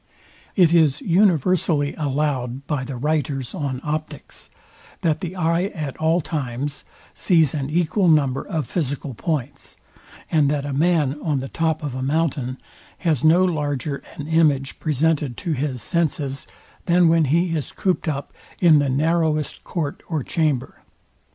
It is universally allowed by the writers on optics, that the eye at all times sees an equal number of physical points, and that a man on the top of a mountain has no larger an image presented to his senses, than when he is cooped up in the narrowest court or chamber.